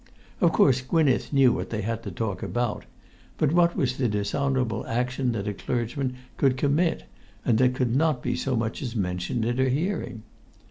Of course Gwynneth knew what they had to talk about; but what was the dishonourable action that a clergyman could commit and that could not be so much as mentioned in her hearing?